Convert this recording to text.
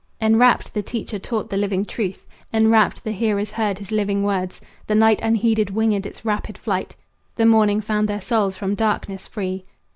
Enwrapt the teacher taught the living truth; Enwrapt the hearers heard his living words; The night unheeded winged its rapid flight, The morning found their souls from darkness free.